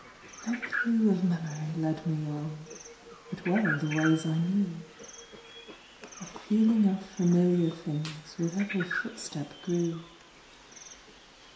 No clue of memory led me on, But well the ways I knew; A feeling of familiar things With every footstep grew.